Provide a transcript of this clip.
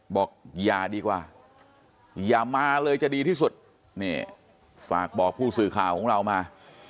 บอกอย่าดีกว่าอย่ามาเลยจะดีที่สุดนี่ฝากบอกผู้สื่อข่าวของเรามา